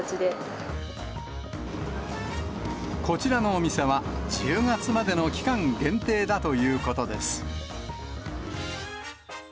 こちらのお店は、１０月までの期間限定だということです。